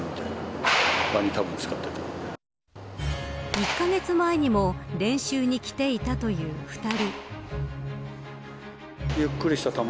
１カ月前にも練習に来ていたという２人。